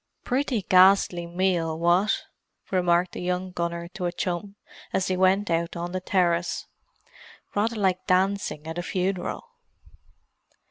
"Pretty ghastly meal, what?" remarked the young gunner to a chum, as they went out on the terrace. "Rather like dancing at a funeral."